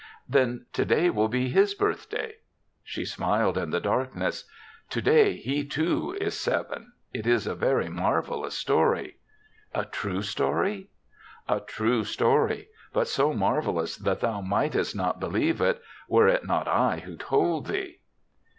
"Then today will be his birth day?" She smiled in the darkness. "To day he, too, is seven. It is a very marvelous story." "A true story?" "A true story, but so marvelous that thou mightest not believe it, were it not I who told thee."